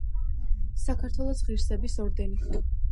საქართველოს ღირსების ორდენი.